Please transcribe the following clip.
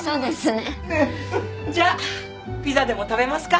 ねっ！じゃあピザでも食べますか！